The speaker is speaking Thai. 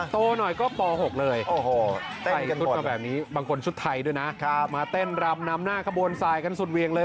โตหน่อยก็ป๖เลยแต่งชุดมาแบบนี้บางคนชุดไทยด้วยนะมาเต้นรำนำหน้าขบวนสายกันสุดเวียงเลย